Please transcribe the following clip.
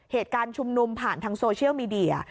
เหตุการณ์ชุมนุมผ่านทางโซเชียลมีเดีย